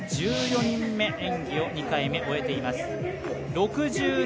１４人目、演技を２回目、終えています。